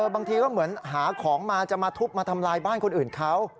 บางทีก็เหมือนหาของมาจะมาทุบมาทำลายบ้านคนอื่นเขา